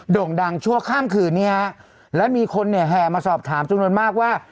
่งดังชั่วข้ามคืนนี้ฮะและมีคนเนี่ยแห่มาสอบถามจำนวนมากว่า